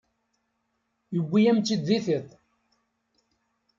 Yewwi-yam-tt-id di tiṭ.